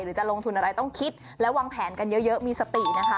จะลงทุนอะไรต้องคิดและวางแผนกันเยอะมีสตินะคะ